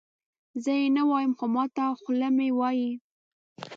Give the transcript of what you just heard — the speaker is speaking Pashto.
زه یې نه وایم خو ماته خوله مې یې وایي.